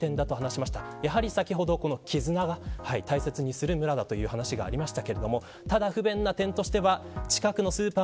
絆を大切にする村だという話がありました。